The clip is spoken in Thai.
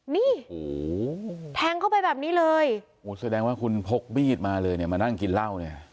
นี่โอ้โหแทงเข้าไปแบบนี้เลยโอ้แสดงว่าคุณพกมีดมาเลยเนี่ยมานั่งกินเหล้าเนี่ย